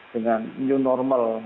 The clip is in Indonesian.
dengan new normal